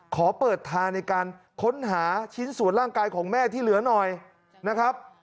ขอเปิดทางในการค้นหาชิ้นส่วนร่างกายของแม่ที่เหลือหน่อยนะครับ